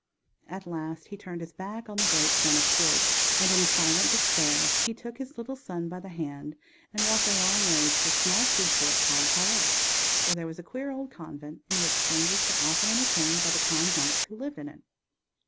At last he turned his back on the great Spanish court, and in silent despair he took his little son by the hand and walked a long way to a small seaport called Palos, where there was a queer old convent in which strangers were often entertained by the kind monks who lived in it.